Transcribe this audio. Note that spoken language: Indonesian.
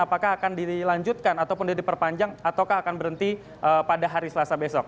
apakah akan dilanjutkan ataupun diperpanjang ataukah akan berhenti pada hari selasa besok